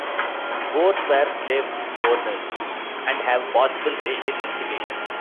Both were slave owners and have possible racial implications.